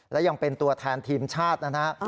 และยังเป็นตัวแทนทีมชาตินะฮะ